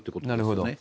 なるほど。